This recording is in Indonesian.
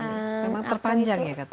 memang terpanjang ya katanya